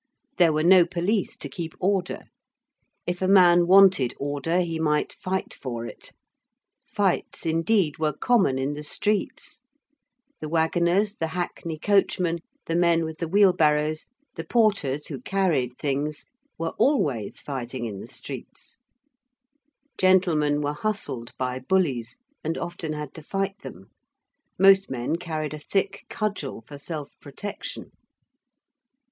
There were no police to keep order: if a man wanted order he might fight for it. Fights, indeed, were common in the streets: the waggoners, the hackney coachmen, the men with the wheelbarrows, the porters who carried things, were always fighting in the streets: gentlemen were hustled by bullies, and often had to fight them: most men carried a thick cudgel for self protection.